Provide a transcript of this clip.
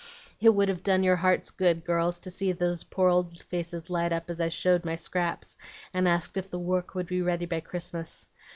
"It would have done your hearts good, girls, to see those poor old faces light up as I showed my scraps, and asked if the work would be ready by Christmas.